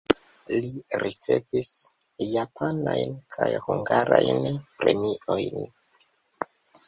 Li ricevis japanajn kaj hungarajn premiojn.